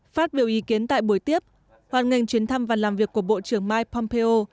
phát biểu ý kiến tại buổi tiếp hoàn ngành chuyến thăm và làm việc của bộ trưởng mike pompeo